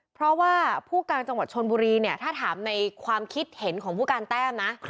เพราะว่าผู้การจังหวัดชนบุรีเนี่ยถ้าถามในความคิดเห็นของผู้การแต้มนะ